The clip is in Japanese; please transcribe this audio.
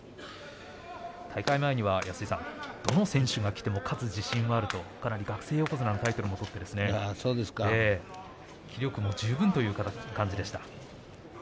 大会前にはどの選手がきても勝つ自信があると学生横綱のタイトルを取って気力十分という感じでした。